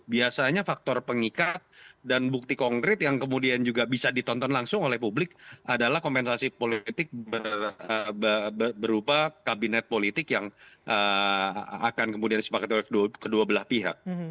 biasanya faktor pengikat dan bukti konkret yang kemudian juga bisa ditonton langsung oleh publik adalah kompensasi politik berupa kabinet politik yang akan kemudian disepakati oleh kedua belah pihak